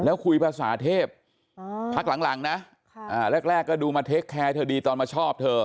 แล้วคุยภาษาเทพพักหลังนะแรกก็ดูมาเทคแคร์เธอดีตอนมาชอบเธอ